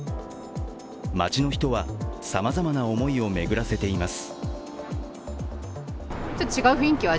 街の人はさまざまな思いを巡らせています。